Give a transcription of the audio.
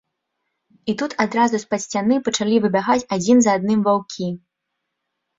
І тут адразу з-пад сцяны пачалі выбягаць адзін за адным ваўкі.